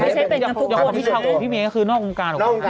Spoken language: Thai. ไม่ใช่เป็นอย่างนั้นทุกคนนะครับอย่างพี่เช้ากับพี่เม้คือนอกวงการหรอกครับ